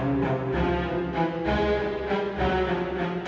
luparained pacaran itu